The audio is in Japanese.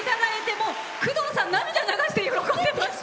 もう工藤さん涙流して喜んでました。